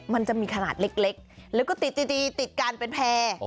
มันจะมีขนาดเล็กแล้วก็ติดดีติดกันเป็นแพร่